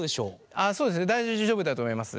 そうですね大丈夫だと思います。